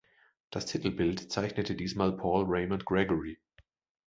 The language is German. Das Titelbild zeichnete diesmal Paul Raymond Gregory.